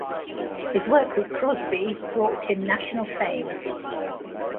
His work with Crosby brought him national fame.